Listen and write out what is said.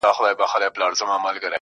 د وخت مجنون يم ليونى يمه زه.